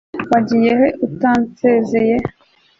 wagiye he utansezeye